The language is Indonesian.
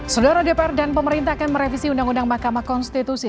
saudara dpr dan pemerintah akan merevisi undang undang mahkamah konstitusi